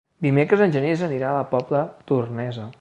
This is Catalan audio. Dimecres en Genís anirà a la Pobla Tornesa.